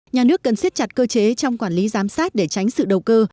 nhà nước cần siết chặt cơ chế trong quản lý giám sát để tránh sự đầu cơ